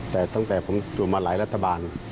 แต่ตั้งแต่ผมอยู่มาหลายรัฐบาล